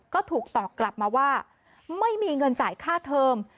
ก็ถูกตอบกลับมาว่าไม่มีเงินจ่ายค่าเทอม